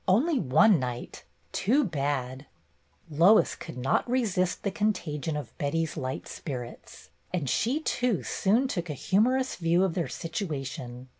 "Only one knight ! Too bad !" Lois could not resist the contagion of Betty's light spirits, and she, too, soon took a humor ous view of their situation.